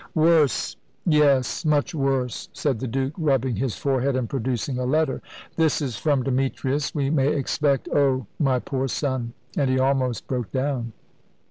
"Worse yes, much worse," said the Duke, rubbing his forehead and producing a letter. "This is from Demetrius. We may expect oh, my poor son!" and he almost broke down.